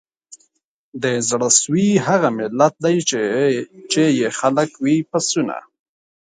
د زړه سوي هغه ملت دی چي یې خلک وي پسونه